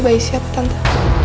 bayi siapa tante